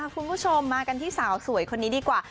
คุณผู้ชมมากันที่สาวสวยคนนี้ดีกว่า